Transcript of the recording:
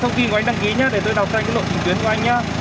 thông tin của anh đăng ký nhé để tôi đọc sang cái lộn trình tuyến của anh nhé